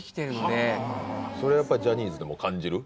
それやっぱりジャニーズでも感じる？